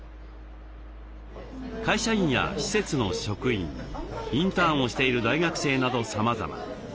会社員や施設の職員インターンをしている大学生などさまざま。